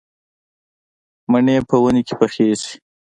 مڼې په ونې کې پخېږي